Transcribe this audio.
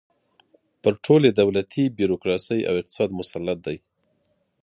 پر ټولې دولتي بیروکراسۍ او اقتصاد مسلط دی.